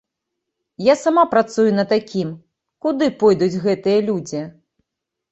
Я сама працую на такім, куды пойдуць гэтыя людзі?